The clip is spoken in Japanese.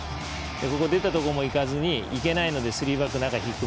ここ、出たとこも行かずに行けないのでスリーバックの中ね